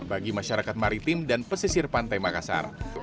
bagi masyarakat maritim dan pesisir pantai makassar